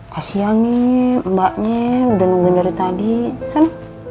kasian nih mbaknya udah nunggu dari tadi kan